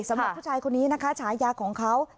สำเร็จห์คือไอลูกฯชายาของเขา